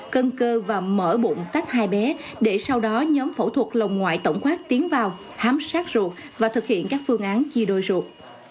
cân cơ và mở bụng tách hai bé để sau đó nhóm phẫu thuật lòng ngoại tổng khoát tiến vào hám sát ruột và thực hiện các phương án chi đôi ruột